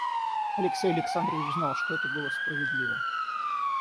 Алексей Александрович знал, что это было справедливо.